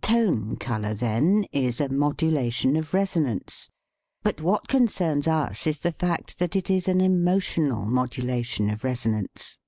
Tone color, then, is a modulation of resonance. But what con cerns us is the fact that it is an emotional modulation of resonance.